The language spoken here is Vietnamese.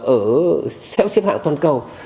ở xếp hạng toàn cầu